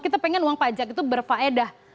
kita pengen uang pajak itu berfaedah